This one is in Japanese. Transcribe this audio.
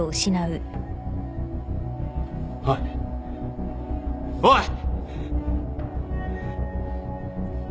おいおい！